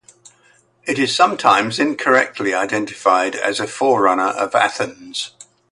It is sometimes incorrectly identified as a forerunner of Athens.